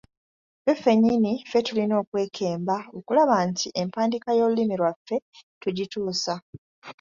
Ffe ffennyini ffe tulina okwekemba okulaba nti empandiika y’olulimi lwaffe tugituusa.